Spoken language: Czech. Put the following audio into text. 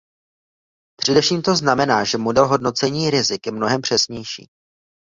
Především to znamená, že model hodnocení rizik je mnohem přesnější.